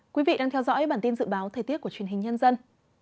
quý vị đang theo dõi bản tin dự báo thời tiết của truyền hình nhân dân